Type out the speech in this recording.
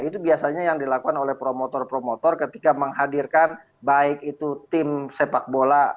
itu biasanya yang dilakukan oleh promotor promotor ketika menghadirkan baik itu tim sepak bola